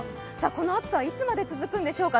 この暑さ、いつまで続くんでしょうか。